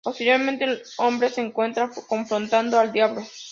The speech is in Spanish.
Posteriormente, el hombre se encuentra confrontando al Diablo.